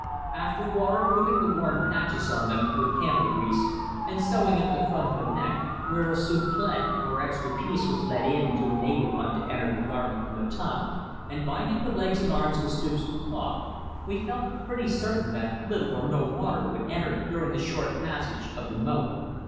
After waterproofing the worn patches on them with candle grease, and sewing up the front of the neck, where a "soufflet" or extra piece was let in to enable one to enter the garment from the top, and binding the legs and arms with strips of cloth, we felt pretty certain that little or no water would enter during the short passage of the moat.